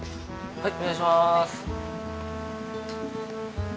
はい。